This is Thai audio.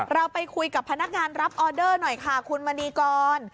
เราไปคุยกับพนักงานรับออเดอร์หน่อยค่ะคุณมณีกร